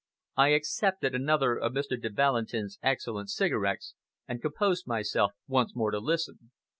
I accepted another of Mr. de Valentin's excellent cigarettes, and composed myself once more to listen.